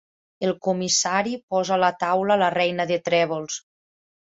El comissari posa a la taula la reina de trèvols.